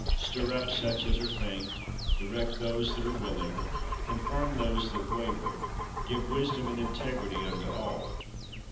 Stir up such as are faint, direct those that are willing, confirm those that waver, give wisdom and integrity unto all.